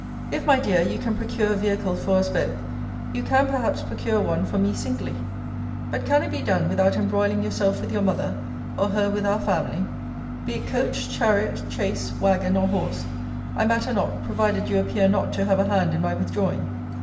If, my dear, you can procure a vehicle for us both, you can perhaps procure one for me singly: but can it be done without embroiling yourself with your mother, or her with our family? Be it coach, chariot, chaise, wagon, or horse, I matter not, provided you appear not to have a hand in my withdrawing.